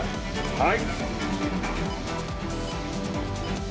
はい。